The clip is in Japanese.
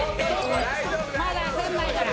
まだ焦んないから。